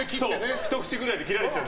一節くらいで切られちゃう。